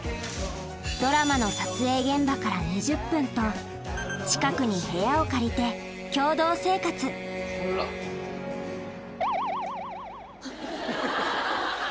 ドラマの撮影現場から２０分と近くに部屋を借りて共同生活辛っ。